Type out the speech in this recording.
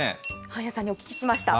半谷さんにお聞きしました。